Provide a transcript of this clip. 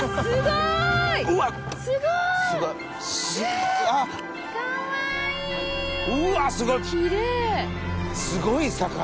すごい魚。